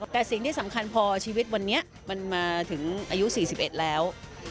แต่สิ่งที่สำคัญพอชีวิตวันนี้มันมาถึงอายุ๔๑แล้ว